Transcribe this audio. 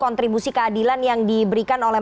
kontribusi keadilan yang diberikan oleh